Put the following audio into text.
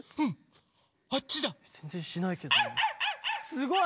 すごい。